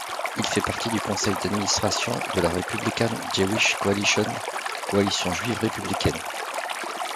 Il fait partie du conseil d'administration de la Republican Jewish Coalition, coalition juive républicaine.